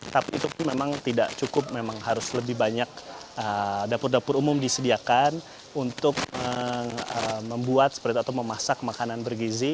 tapi itu pun memang tidak cukup memang harus lebih banyak dapur dapur umum disediakan untuk membuat seperti itu atau memasak makanan bergizi